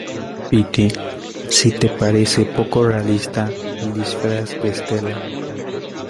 piti, si te parece poco realista el disfraz de Estela